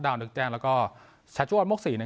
แล้วก็พรุ่งนี้เราจะเจอกัน